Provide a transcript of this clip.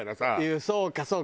そうかそうか。